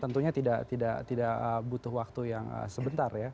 tentunya tidak butuh waktu yang sebentar ya